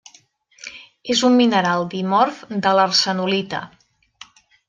És un mineral dimorf de l'arsenolita.